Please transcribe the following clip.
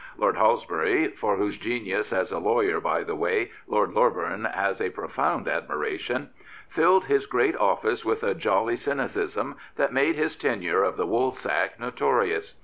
Lord Halsbury — for whose genius as a lawyer, by the way. Lord Loreburn has a profound admiration — filled his great office with a jolly cyni cism that made his tenure of the woolsack notorious.